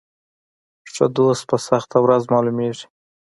ښه دوست په سخته ورځ معلومیږي.